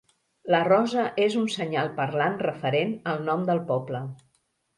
La rosa és un senyal parlant referent al nom del poble.